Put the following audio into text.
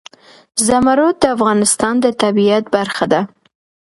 زمرد د افغانستان د طبیعت برخه ده.